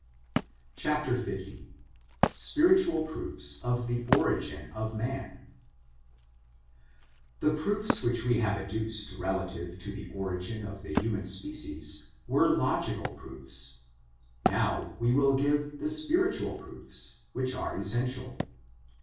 SPIRITUAL PROOFS OF THE ORIGIN OF MAN THE proofs which we have adduced relative to the origin of the human species were logical proofs ; now we will give the spiritual proofs, which are essential.